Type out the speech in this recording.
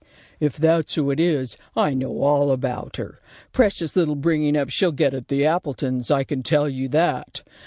"If that's who it is, I know all about her. Precious little bringing up she'll get at the Appletons', I can tell you that.